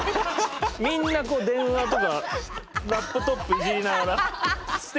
みんなこう電話とかラップトップいじりながらステージ見て。